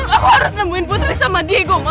aku harus nemuin putri sama diego ma